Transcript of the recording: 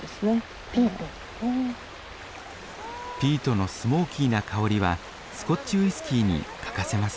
ピートのスモーキーな香りはスコッチウイスキーに欠かせません。